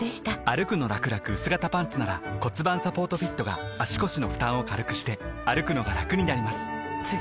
「歩くのらくらくうす型パンツ」なら盤サポートフィットが足腰の負担を軽くしてくのがラクになります覆个△